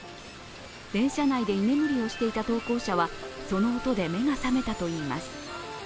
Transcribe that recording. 電車内で居眠りをしていた投稿者は、その音で目が覚めたといいます。